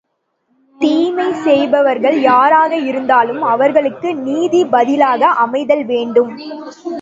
தீமை செய்பவர்கள் யாராக இருந்தாலும் அவர்களுக்கு நீதி பதிலாக அமைதல் வேண்டும்.